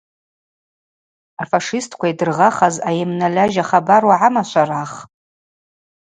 Афашистква йдыргъахаз айамнальажьа хабар угӏама, Шварах?